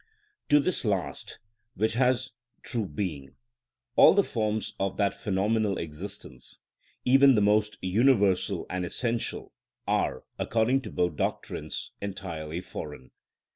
To this last, which has true being, all the forms of that phenomenal existence, even the most universal and essential, are, according to both doctrines, entirely foreign.